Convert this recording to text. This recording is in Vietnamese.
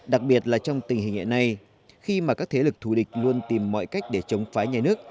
đặc biệt là trong tình hình hiện nay khi mà các thế lực thù địch luôn tìm mọi cách để chống phá nhà nước